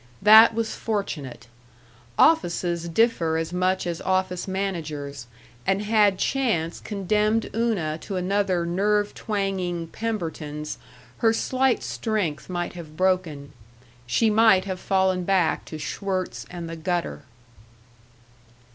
That was fortunate. Offices differ as much as office managers, and had chance condemned Una to another nerve twanging Pemberton's her slight strength might have broken. She might have fallen back to Schwirtz and the gutter.